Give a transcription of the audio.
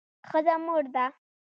ښځه مور ده